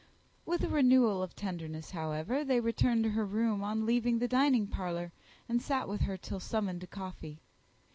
With a renewal of tenderness, however, they repaired to her room on leaving the dining parlour, and sat with her till summoned to coffee.